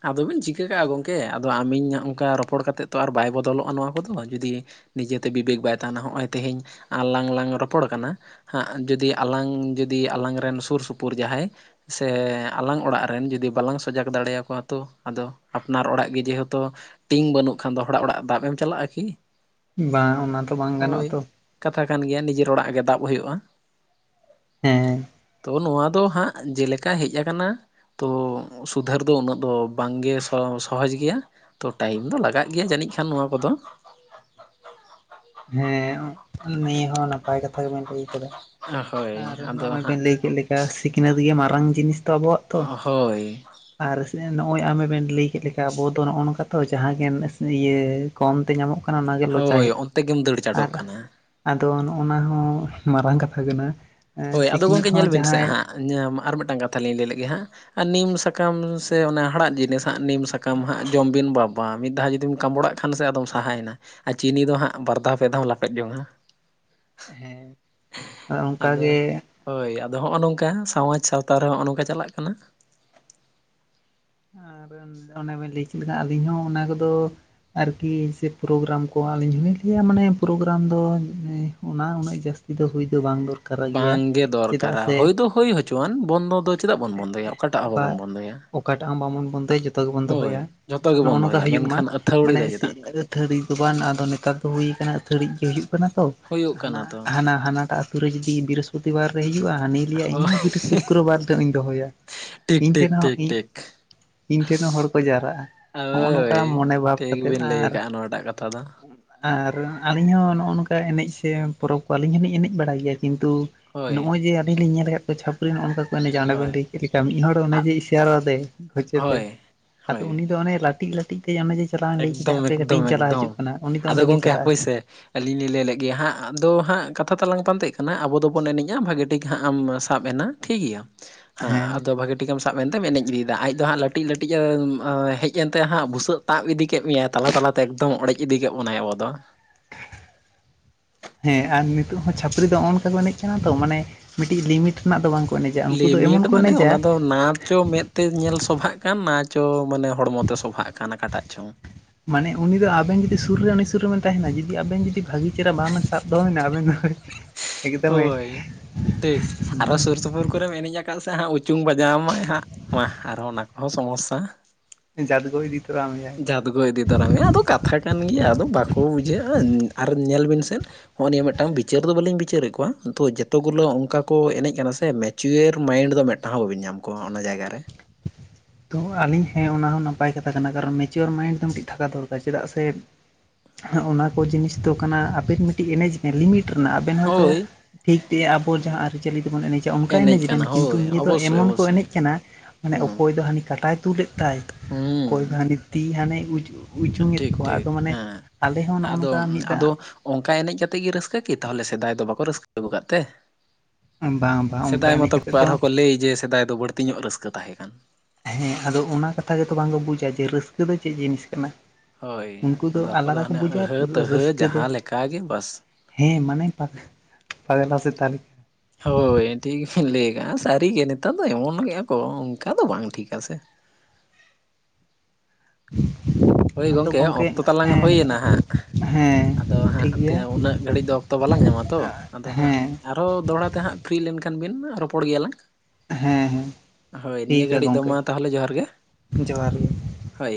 ᱟᱫᱚ ᱵᱤᱱ ᱪᱤᱠᱟᱹ ᱠᱟᱜᱼᱟ ᱜᱚᱢᱠᱮ ᱟᱫᱚ ᱟᱢ ᱤᱧ ᱦᱚᱸᱜᱼᱚᱝᱠᱟ ᱨᱚᱯᱚᱲ ᱠᱟᱛᱮᱜ ᱛᱚ ᱟᱨ ᱵᱟᱭ ᱵᱚᱫᱚᱞᱚᱜᱼᱟ ᱱᱚᱣᱟ ᱠᱚᱫᱚ ᱡᱩᱫᱤ ᱱᱤᱡᱮ ᱛᱮ ᱵᱤᱵᱮᱠ ᱵᱟᱭ ᱛᱟᱦᱮᱱᱟ ᱦᱚᱸᱜᱼᱚᱭ ᱛᱮᱦᱮᱧ ᱟᱞᱟᱝ ᱞᱟᱝ ᱨᱚᱯᱚᱲ ᱠᱟᱱᱟ ᱦᱟᱸᱜ ᱡᱩᱫᱤ ᱟᱞᱟᱝ ᱡᱩᱫᱤ ᱟᱞᱟᱝ ᱨᱮᱱ ᱥᱩᱨ ᱥᱩᱯᱩᱨ ᱡᱟᱦᱟᱸᱭ ᱥᱮ ᱟᱞᱟᱝ ᱚᱲᱟᱜ ᱨᱮᱱ ᱡᱩᱫᱤ ᱵᱟᱞᱟᱝ ᱥᱚᱡᱟᱠᱽ ᱫᱟᱲᱮᱭᱟ ᱠᱚᱣᱟ ᱛᱚ ᱟᱫᱚ ᱟᱯᱱᱟᱨ ᱚᱲᱟᱜ ᱜᱮ ᱡᱮᱦᱮᱛᱩ ᱴᱤᱝ ᱵᱟᱹᱱᱩᱜ ᱠᱷᱟᱱ ᱫᱚ ᱦᱚᱲᱟᱜ ᱚᱲᱟᱜ ᱫᱟᱵ ᱮᱢ ᱪᱟᱞᱟᱜᱼᱟ ᱠᱤ ᱾ ᱵᱟᱝ ᱚᱱᱟ ᱛᱚ ᱵᱟᱝ ᱜᱟᱱᱚᱜᱼᱟ ᱛᱚ ᱾ ᱠᱟᱛᱷᱟ ᱠᱟᱱ ᱜᱮᱭᱟ ᱱᱤᱡᱮᱨ ᱚᱲᱟᱜ ᱜᱮ ᱫᱟᱵ ᱦᱩᱭᱩᱜᱼᱟ ᱾ ᱦᱮᱸ ᱾ ᱛᱚ ᱱᱚᱣᱟ ᱫᱚ ᱦᱟᱸᱜ ᱡᱮᱞᱮᱠᱟ ᱦᱮᱡ ᱟᱠᱟᱱᱟ ᱛᱚ ᱥᱩᱫᱷᱟᱹᱨ ᱫᱚ ᱩᱱᱟᱹᱜ ᱫᱚ ᱵᱟᱝᱜᱮ ᱥᱚ ᱥᱚᱦᱚᱡᱽ ᱜᱮᱭᱟ ᱾ ᱛᱚ ᱴᱟᱭᱤᱢ ᱫᱚ ᱞᱟᱜᱟᱜ ᱜᱮᱭᱟ ᱡᱟᱹᱱᱤᱡ ᱠᱷᱟᱱ ᱱᱚᱣᱟ ᱠᱚᱫᱚ ᱾ ᱦᱮᱸ ᱱᱤᱭᱟᱹ ᱦᱚᱸ ᱱᱟᱯᱟᱭ ᱠᱟᱛᱷᱟ ᱜᱮᱵᱮᱱ ᱞᱟᱹᱭ ᱟᱠᱟᱫᱟ ᱾ ᱦᱳᱭ ᱟᱨ ᱟᱫᱚ ᱱᱚᱜᱼᱚᱭ ᱦᱟᱸᱜ ᱵᱮᱱ ᱞᱟᱹᱭ ᱠᱮᱜ ᱞᱮᱠᱟ ᱥᱤᱠᱷᱱᱟᱹᱛ ᱜᱮ ᱢᱟᱨᱟᱝ ᱡᱤᱱᱤᱥ ᱫᱚ ᱟᱵᱚᱣᱟᱜ ᱾ ᱦᱳᱭ ᱾ ᱟᱨ ᱱᱚᱜᱼᱚᱭ ᱟᱢᱮᱵᱮᱱ ᱞᱟᱹᱭ ᱠᱮᱜ ᱞᱮᱠᱟ ᱟᱵᱚ ᱫᱚ ᱱᱚᱜ-ᱱᱚᱝᱠᱟ ᱛᱚ ᱡᱟᱦᱟᱸ ᱜᱮ ᱤᱭᱟᱹ ᱠᱚᱢᱛᱮ ᱧᱟᱢᱚᱜ ᱠᱟᱱᱟ ᱚᱱᱟᱜᱮ ᱦᱳᱭ ᱞᱚᱪᱟᱭᱮᱜ ᱚᱱᱛᱮ ᱜᱮᱢ ᱫᱟᱹᱲ ᱟᱨ ᱪᱟᱰᱚᱜ ᱠᱟᱱᱟ ᱟᱫᱚ ᱱᱚᱜᱼᱱᱟ ᱦᱚᱸ ᱢᱟᱨᱟᱝ ᱠᱟᱛᱷᱟ ᱠᱟᱱᱟ ᱾ ᱦᱳᱭ ᱟᱫᱚ ᱜᱚᱝᱠᱮ ᱧᱮᱞ ᱵᱤᱱ ᱥᱮᱜ ᱦᱟᱸᱜ ᱟᱨ ᱢᱤᱫᱴᱟᱝ ᱠᱟᱛᱷᱟ ᱞᱤᱧ ᱞᱟᱹᱭ ᱞᱮᱜᱮ ᱦᱟᱸᱜ ᱾ ᱟᱨ ᱱᱤᱢ ᱥᱟᱠᱟᱢ ᱥᱮ ᱚᱱᱟ ᱦᱟᱲᱟᱜ ᱡᱤᱱᱤᱥ ᱦᱟᱸᱜ ᱱᱤᱢ ᱥᱟᱠᱟᱢ ᱦᱟᱸᱜ ᱡᱚᱢ ᱵᱤᱱ ᱵᱟᱵᱟ ᱢᱤᱫ ᱫᱷᱟᱣ ᱡᱩᱫᱤᱢ ᱠᱟᱢᱵᱲᱟᱜ ᱛᱷᱟᱱ ᱥᱮ ᱟᱫᱚᱢ ᱥᱟᱦᱟᱭᱮᱱᱟ ᱟᱨ ᱪᱤᱱᱤ ᱫᱚ ᱦᱟᱸᱜ ᱵᱟᱨᱫᱷᱟᱣ ᱯᱮ ᱫᱷᱟᱣᱮᱢ ᱞᱟᱯᱮᱫ ᱡᱚᱝᱟ ᱾ ᱦᱮᱸ ᱾ ᱟᱫᱚ, ᱦᱚᱭ ᱟᱫᱚ ᱦᱚᱸᱜ-ᱱᱚᱝᱠᱟ ᱥᱟᱶᱟᱡᱽ ᱥᱟᱶᱛᱟ ᱨᱮ ᱦᱚᱜᱼᱱᱚᱝᱠᱟ ᱪᱟᱞᱟᱜ ᱠᱟᱱᱟ ᱾ ᱟᱨ ᱚᱱᱮ ᱵᱮᱱ ᱞᱟᱹᱭ ᱠᱮᱫ ᱞᱮᱠᱟ ᱟᱹᱞᱤᱧ ᱦᱚᱸ ᱚᱱᱟ ᱠᱚᱫᱚ ᱾ ᱟᱨᱠᱤ ᱥᱮ ᱯᱨᱚᱜᱨᱟᱢ ᱠᱚ ᱟᱹᱞᱤᱧ ᱦᱚᱞᱤᱧ ᱞᱟᱹᱭ ᱜᱮᱭᱟ ᱢᱟᱱᱮ ᱯᱨᱳᱜᱨᱟᱢ ᱫᱚ ᱢᱟᱱᱮ ᱚᱱᱟ ᱩᱱᱟᱹᱜ ᱡᱟᱹᱥᱼᱼ ᱛᱤ ᱫᱚ ᱦᱩᱭ ᱫᱚ ᱵᱟᱝ ᱫᱚᱨ ᱵᱟᱝᱜᱮ ᱫᱚᱨᱠᱟᱨᱟ ᱦᱩᱭ ᱫᱚ ᱦᱩᱭ ᱦᱚᱪᱚᱣᱟᱱ ᱵᱚᱱᱫᱚ ᱫᱚ ᱪᱮᱫᱟᱜ ᱵᱚᱱ ᱵᱚᱱᱫᱚᱭᱟ ᱚᱠᱟᱴᱟᱜ ᱦᱚᱸ ᱵᱟᱵᱚᱱ ᱵᱟ ᱵᱚᱱᱫᱚᱭᱟ ᱾ ᱚᱠᱟᱴᱟᱜ ᱦᱚᱸ ᱵᱟᱵᱚᱱ ᱵᱚᱱᱫᱚᱭᱟ ᱡᱚᱛᱚ ᱜᱮᱵᱚᱱ ᱫᱚᱦᱚᱭᱟ ᱡᱷᱚᱛᱚ ᱜᱮ ᱵᱚᱱ ᱱᱚᱜᱼᱱᱚᱝᱠᱟ ᱫᱚᱦᱚᱭᱟ ᱦᱩᱭᱩᱜ ᱢᱟ, ᱢᱮᱱᱠᱷᱟᱱ ᱟᱹᱛᱷᱟᱹᱣᱲᱤ ᱢᱟᱱᱮ ᱫᱚ ᱥᱮ ᱪᱮᱫᱟᱜ ᱟᱹᱛᱷᱟᱹᱲᱤ ᱫᱚ ᱵᱟᱝ ᱟᱫᱚ ᱱᱮᱛᱟᱨ ᱫᱚ ᱦᱩᱭᱩᱭ ᱠᱟᱱᱟ ᱛᱷᱟᱹᱲᱤ ᱜᱮ ᱦᱩᱭᱩᱜ ᱠᱟᱱᱟ ᱛᱚ ᱦᱩᱭᱩᱜ ᱦᱟᱱᱟ ᱠᱟᱱᱟ ᱛᱚ ᱦᱟᱱᱟ ᱦᱟᱱᱟᱴᱟᱜ ᱯᱩᱨᱟᱹ ᱡᱩᱫᱤ ᱵᱤᱨᱟᱹᱥ ᱯᱚᱛᱤᱵᱟᱨ ᱨᱮ ᱦᱩᱭᱩᱜᱼᱟ, ᱦᱟᱹᱱᱤ ᱞᱟᱹᱭᱟ ᱦᱳᱭ ᱤᱧᱦᱚᱸ ᱡᱩᱫᱤ ᱥᱩᱠᱨᱚ ᱵᱟᱨ ᱦᱤᱞᱚᱜ ᱤᱧ ᱫᱚᱦᱚᱭᱟ ᱴᱷᱤᱠ ᱤᱧ ᱴᱦᱮᱱ ᱴᱷᱤᱠ ᱦᱚᱸ ᱴᱷᱤᱠ ᱤᱧ ᱴᱷᱤᱠ ᱤᱧ ᱴᱷᱮᱱ ᱦᱚᱸ ᱦᱚᱲ ᱠᱚ ᱡᱟᱣᱨᱟᱜᱼᱟ, ᱱᱚᱜᱼᱱᱚᱝᱠᱟ ᱦᱳᱭ ᱢᱚᱱᱮ ᱵᱷᱟᱵᱽ ᱴᱷᱤᱠ ᱠᱟᱛᱮᱫ ᱵᱤᱱ ᱞᱟᱹᱭ ᱟᱨ ᱟᱠᱟᱜᱼᱟ ᱱᱚᱣᱟᱴᱟᱜ ᱠᱟᱛᱷᱟ ᱫᱚ ᱟᱨ ᱟᱹᱞᱤᱧ ᱦᱚᱸ ᱱᱚᱜᱼᱱᱚᱝᱠᱟ ᱮᱱᱮᱡ ᱥᱮ ᱯᱚᱨᱚᱵᱽ ᱠᱚ ᱟᱹᱞᱤᱧ ᱦᱚᱸᱞᱤᱧ ᱮᱱᱮᱡᱽ ᱵᱟᱲᱟᱭ ᱜᱮᱭᱟ ᱠᱤᱱᱛᱩ ᱦᱳᱭ ᱱᱚᱜᱼᱚᱭ ᱡᱮ ᱟᱹᱞᱤᱧ ᱞᱤᱧ ᱧᱮᱞ ᱟᱠᱟᱫ ᱠᱚᱣᱟ ᱪᱷᱟᱯᱨᱤ ᱱᱚᱜᱼᱱᱚᱝᱠᱟ ᱠᱚ ᱮᱱᱮᱡᱼᱟ ᱚᱸᱰᱮ ᱵᱮᱱ ᱦᱳᱭ ᱞᱟᱹᱭ ᱠᱮᱫ ᱞᱮᱠᱟ ᱢᱤᱫ ᱦᱚᱲ ᱚᱱᱮᱡᱮ ᱤᱥᱟᱨᱟ ᱟᱫᱮ ᱦᱚᱪᱟᱹ ᱛᱮ ᱦᱳᱭ ᱟᱫᱚ ᱩᱱᱤ ᱫᱚ ᱚᱱᱮ ᱞᱟᱹᱴᱤᱡᱼ ᱞᱟᱹᱴᱤᱡ ᱛᱮ ᱚᱱᱮ ᱡᱮ ᱪᱟᱞᱟᱣ ᱤᱧ ᱞᱟᱹᱭ ᱠᱮᱫᱟ ᱦᱟᱯᱮ ᱠᱟᱹᱴᱤᱡ ᱤᱧ ᱪᱟᱞᱟᱣ ᱦᱤᱡᱩᱜ ᱮᱠᱫᱚᱢᱼᱮᱠᱫᱚᱢᱼᱮᱠᱫᱚᱢ ᱠᱟᱱᱟ ᱩᱱᱤ ᱫᱚ ᱟᱫᱚ ᱚᱸᱰᱮ ᱜᱮ ᱜᱚᱢᱠᱮ ᱪᱟᱞᱟᱜ ᱦᱟᱯᱮ ᱥᱮ ᱟᱹᱞᱤᱧ ᱞᱤᱧ ᱞᱟᱹᱭ ᱞᱮᱜᱟ ᱦᱟᱸᱜ, ᱟᱫᱚ ᱦᱟᱸᱜ ᱠᱟᱛᱷᱟ ᱛᱟᱞᱟᱝ ᱯᱟᱱᱛᱮᱜ ᱠᱟᱱᱟ ᱟᱵᱚ ᱫᱚᱵᱚᱱ ᱮᱱᱮᱡᱽᱼᱟ, ᱵᱷᱟᱜᱤ ᱴᱷᱤᱠ ᱦᱟᱸᱜ ᱟᱢᱥᱼᱼ ᱟᱵᱽ ᱮᱱᱟ ᱴᱷᱤᱠ ᱜᱮᱭᱟ᱾ ᱦᱮᱸ ᱟᱫᱚ ᱵᱷᱟᱹᱜᱤ ᱴᱷᱤᱠ ᱮᱢ ᱥᱟᱵ ᱮᱱᱛᱮᱢ ᱮᱱᱮᱡ ᱤᱫᱤᱭᱮᱫᱟ ᱟᱡ ᱫᱚ ᱦᱟᱸᱜ ᱞᱟᱹᱴᱤᱡᱼ ᱞᱟᱹᱴᱤᱡ ᱮ ᱦᱮᱡᱽ ᱮᱱᱛᱮ ᱦᱟᱸᱜ ᱵᱩᱥᱟᱹᱜ ᱛᱟᱵ ᱤᱫᱤ ᱠᱮᱫ ᱢᱮᱭᱟᱭ ᱛᱟᱞᱟ ᱛᱟᱞᱟᱛᱮ ᱮᱠᱫᱚᱢ ᱚᱲᱮᱡᱽ ᱤᱫᱤ ᱠᱮᱫ ᱵᱚᱱᱟᱭ ᱟᱵᱚ ᱫᱚ᱾ [inaudible] ᱦᱮᱸ ᱟᱨ ᱱᱤᱛᱚᱜ ᱦᱚᱸ ᱪᱷᱟᱯᱨᱤ ᱫᱚ ᱱᱚᱜᱚᱭ ᱱᱚᱝᱠᱟ ᱠᱚ ᱮᱱᱮᱡ ᱠᱟᱱᱟ ᱛᱚ ᱢᱟᱱᱮ ᱢᱤᱫᱴᱤᱡ ᱞᱤᱢᱤ ᱴ ᱨᱮᱱᱟᱜ ᱫᱚ ᱵᱟᱝᱠᱚ ᱮᱱᱮᱡᱟ ᱩᱱᱠᱩ ᱫᱚ ᱞᱤᱢᱤᱴ ᱮᱢᱚᱱ ᱠᱚ ᱢᱟᱱᱮ ᱮᱱᱮᱡᱟ᱾ ᱚᱱᱟ ᱫᱚ ᱱᱟ ᱪᱚ ᱢᱮᱫᱛᱮ ᱧᱮᱞ ᱥᱚᱵᱷᱟᱜ ᱠᱟᱱ ᱱᱟ ᱪᱚ ᱢᱟᱱᱮ ᱦᱚᱲᱢᱚ ᱛᱮ ᱥᱚᱵᱷᱟᱜ ᱠᱟᱱᱟ ᱚᱠᱟᱴᱟᱜ ᱪᱚᱝ᱾ ᱢᱟᱱᱮ ᱩᱱᱤ ᱫᱚ ᱟᱵᱮᱱ ᱡᱩᱫᱤ ᱥᱩᱨ ᱨᱮ ᱩᱱᱤ ᱥᱩᱨ ᱨᱮᱵᱮᱱ ᱛᱟᱦᱮᱱᱟ ᱡᱩᱫᱤ ᱟᱵᱮᱱ ᱡᱩᱫᱤ ᱵᱷᱟᱹᱜᱤ ᱪᱮᱦᱨᱟ ᱵᱟᱵᱮᱱ ᱥᱟᱵ ᱫᱚᱲᱚᱢᱮᱱᱟ ᱟᱵᱮᱱ ᱫᱚ ᱮᱠᱫᱚᱢᱮ ᱦᱳᱭ᱾ ᱴᱷᱤᱠ ᱟᱨᱦᱚ ᱥᱩᱨ ᱥᱩᱯᱩᱨ ᱠᱚᱨᱮᱢ ᱮᱱᱮᱡ ᱟᱠᱟᱫ ᱥᱮ ᱦᱟᱸᱜ ᱩᱪᱩᱝ ᱵᱟᱡᱟᱣᱢᱟᱭ ᱦᱟᱸᱜ᱾ ᱢᱟᱜ ᱟᱨᱚ ᱚᱱᱟ ᱠᱚᱦᱚᱸ ᱥᱚᱢᱚᱥᱟ᱾ ᱡᱦᱟᱫᱜᱚ ᱤᱫᱤ ᱛᱟᱨᱟ ᱢᱮᱭᱟ᱾ ᱡᱦᱟᱫᱜᱚ ᱤᱫᱤ ᱛᱟᱨᱟᱢᱮᱭᱟ ᱟᱫᱚ ᱠᱟᱛᱷᱟ ᱠᱟᱱ ᱜᱮᱭᱟ ᱟᱫᱚ ᱵᱟᱠᱚ ᱵᱩᱡᱷᱟᱹᱜᱼᱟ ᱟᱨ ᱧᱮᱞᱵᱤᱱ ᱥᱮ ᱦᱚᱸᱜᱼᱚ ᱱᱤᱭᱟᱹ ᱢᱤᱫᱴᱟᱱ ᱵᱤᱪᱟᱹᱨ ᱫᱚ ᱵᱟᱹᱞᱤᱧ ᱵᱤᱪᱟᱹᱨᱮᱫ ᱠᱚᱣᱟ ᱠᱤᱱᱛᱩ ᱡᱚᱛᱚ ᱜᱩᱞᱟᱹ ᱚᱱᱠᱟ ᱠᱚ ᱮᱱᱮᱡ ᱠᱟᱱᱟ ᱥᱮ ᱢᱮ ᱪᱩᱭᱮᱨ ᱢᱟᱭᱤᱸᱰ ᱫᱚ ᱢᱤᱫᱴᱟᱝ ᱦᱚᱸ ᱵᱟᱹᱵᱤᱱ ᱧᱟᱢ ᱠᱚᱣᱟ ᱚᱱᱟ ᱡᱟᱭᱜᱟ ᱨᱮ᱾ ᱛᱚ ᱟᱹᱞᱤᱧ ᱦᱮᱸ ᱚᱱᱟ ᱦᱚᱸ ᱱᱟᱯᱟᱭ ᱠᱟᱛᱷᱟ ᱠᱟᱱᱟ ᱠᱟᱨᱚᱱ ᱢᱮᱤᱪᱚᱨ ᱢᱟᱭᱤᱱᱰ ᱫᱚ ᱢᱤᱫᱴᱤᱡ ᱛᱷᱟᱠᱟ ᱫᱚᱨᱠᱟᱨ ᱪᱮᱫᱟᱜ ᱥᱮ᱾ ᱚᱱᱟ ᱠᱚ ᱡᱤᱱᱤᱥ ᱫᱚ ᱠᱟᱱᱟ ᱟᱵᱮᱱ ᱢᱤᱫᱴᱤᱡ ᱮᱱᱮᱡ ᱵᱤᱱ ᱞᱤᱢᱤ ᱨᱮᱱᱟᱜ, ᱟᱵᱮᱱ ᱦᱚᱭ ᱛᱚ ᱦᱳᱭ ᱴᱷᱤᱠ ᱛᱮᱭᱟᱜ ᱟᱵᱚ ᱡᱟᱦᱟᱸ ᱟᱨᱤᱪᱟᱞᱤ ᱛᱮᱵᱚᱱ ᱮᱱᱮᱡ ᱪᱮ ᱚᱱᱠᱟ ᱮᱱᱮᱡ ᱵᱮᱱ ᱠᱟᱱᱟ ᱠᱤᱱᱛᱩ ᱦᱳᱭ ᱱᱤᱭᱟᱹ ᱫᱚ ᱚᱵᱚᱥᱥᱳᱭ ᱮᱢᱚᱱ ᱠᱚ ᱚᱵᱚᱥᱥᱳᱭ ᱮᱱᱮᱡᱽ ᱠᱟᱱᱟ᱾ ᱢᱟᱱᱮ ᱦᱩᱸ ᱚᱠᱚᱭ ᱫᱚ ᱦᱟᱹᱱᱤ ᱠᱟᱴᱟᱭ ᱛᱩ ᱞᱮᱫ ᱛᱟᱭ ᱚᱠᱚᱭ ᱫᱚ ᱦᱩᱸ ᱦᱟᱱᱤ ᱛᱤ ᱦᱟᱱᱤ ᱩᱡᱼᱼ ᱩᱪᱩᱝ ᱮᱫᱽ ᱴᱷᱤᱠ ᱠᱚᱣᱟ ᱴᱷᱤᱠ ᱟᱫᱚ ᱢᱟᱱᱮ ᱦᱮᱸ ᱟᱞᱮ ᱦᱚᱸ ᱱᱚᱜᱼᱚ ᱟᱫᱚ ᱱᱚᱝᱠᱟ ᱢᱤᱫ ᱫᱟ ᱟᱫᱚ ᱚᱱᱠᱟ ᱮᱱᱮᱡᱽ ᱠᱟᱛᱮᱜ ᱜᱮ ᱨᱟᱹᱥᱠᱟᱹ ᱠᱤ ᱛᱟᱦᱚᱞᱮ ᱥᱮᱫᱟᱭ ᱫᱚ ᱵᱟᱠᱚ ᱨᱟᱹᱥᱠᱟᱹᱣ ᱟᱠᱟᱫ ᱛᱮ᱾ ᱵᱟᱝ ᱵᱟᱝ ᱚᱱᱠᱟ ᱥᱮᱫᱟᱭ ᱮᱱᱮᱡ ᱢᱟᱛᱚ ᱠᱟᱛᱮᱫ ᱫᱚ ᱟᱨᱦᱚᱸ ᱠᱚ ᱞᱟᱹᱭ ᱡᱮ ᱥᱮᱫᱟᱭ ᱫᱚ ᱵᱟᱹᱲᱛᱤ ᱧᱚᱜ ᱨᱟᱹᱥᱠᱟᱹ ᱛᱟᱦᱮᱸᱠᱟᱱ᱾ ᱦᱮᱸ ᱟᱫᱚ ᱚᱱᱟ ᱠᱟᱛᱷᱟ ᱜᱮᱛᱚ ᱵᱟᱝᱠᱚ ᱵᱩᱡᱟ ᱡᱮ ᱨᱟᱹᱥᱠᱟᱹ ᱫᱚ ᱪᱮᱫ ᱡᱤᱱᱤᱥ ᱠᱟᱱᱟ᱾ ᱦᱳᱭ ᱩᱱᱠᱩ ᱟᱫᱚ ᱟᱠᱚ ᱫᱚ ᱟᱞᱟᱫᱟ ᱠᱚ ᱦᱟᱱᱮ ᱵᱩᱡᱟ ᱟᱹᱦᱟᱹ ᱛᱦᱟᱹ ᱨᱟᱹᱥᱠᱟᱹ ᱫᱚ ᱡᱟᱦᱟᱸ ᱞᱮᱠᱟ ᱜᱮ ᱵᱟᱥ᱾ ᱦᱮᱸ ᱢᱟᱱᱮ ᱯᱟᱜ ᱯᱟᱜᱽᱞᱟ ᱥᱮᱛᱟ ᱞᱮᱠᱟ᱾ ᱦᱳᱭ ᱴᱷᱤᱠ ᱵᱤᱱ ᱞᱟᱹᱭ ᱟᱠᱟᱜᱼᱟ, ᱥᱟᱹᱨᱤᱜᱮ ᱱᱮᱛᱟᱨ ᱫᱚ ᱮᱢᱚᱱ ᱠᱮᱜᱼᱟ ᱠᱚ ᱚᱱᱠᱟ ᱫᱚ ᱵᱟᱝ ᱴᱷᱤᱠ ᱟᱥᱮ᱾ ᱦᱳᱭ ᱟᱫᱚ ᱜᱚᱢᱠᱮ ᱜᱚᱝᱠᱮ ᱚᱠᱛᱚ ᱛᱟᱞᱟᱝ ᱦᱩᱭ ᱮᱱᱟ ᱦᱟᱸᱜ᱾ ᱦᱮᱸ ᱟᱫᱚ ᱴᱷᱤᱠ ᱜᱮᱭᱟ ᱦᱟᱸᱜ ᱩᱱᱟᱹᱜ ᱜᱷᱟᱹᱲᱤᱡ ᱫᱚ ᱚᱠᱛᱚ ᱵᱟᱞᱟᱝ ᱧᱟᱢᱟ ᱛᱚ ᱦᱮᱸ ᱟᱫᱚ ᱦᱟᱸᱜ ᱦᱮᱸ ᱟᱨᱦᱚᱸ ᱫᱚᱦᱲᱟ ᱛᱮᱦᱟᱸᱜ ᱯᱷᱤᱨᱤ ᱞᱮᱱᱠᱷᱟᱱ ᱵᱤᱱ ᱨᱚᱯᱚᱲ ᱜᱮᱭᱟᱞᱟᱝ᱾ ᱦᱮᱸ ᱦᱮᱸ, ᱦᱳᱭ ᱱᱤᱭᱟᱹ ᱴᱷᱤᱠ ᱜᱮᱭᱟ ᱜᱷᱟᱹᱲᱤᱡ ᱫᱚ ᱜᱚᱝᱠᱮ ᱢᱟ ᱛᱟᱦᱚᱞᱮ ᱡᱚᱦᱟᱨ ᱜᱮ, ᱡᱚᱦᱟᱨ ᱜᱮ᱾ ᱦᱳᱭ᱾